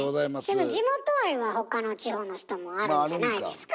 でも地元愛はほかの地方の人もあるんじゃないですか？